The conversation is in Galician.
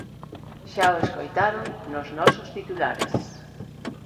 Xa o escoitaron nos nosos titulares.